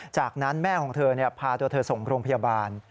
จากนั้นแม่ของเธอพาตัวเธอส่งโรงพยาบาล